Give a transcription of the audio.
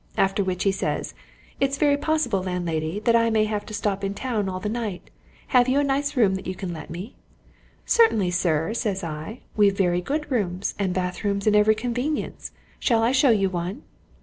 After which he says, 'It's very possible, landlady, that I may have to stop in the town all night have you a nice room that you can let me?' 'Certainly, sir,' says I. 'We've very good rooms, and bathrooms, and every convenience shall I show you one?'